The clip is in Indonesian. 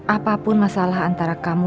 apapun masalah antara kamu